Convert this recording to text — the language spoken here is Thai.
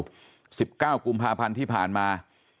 ตอนนี้๑๙กุมภาพันธุ์ที่ผ่านมา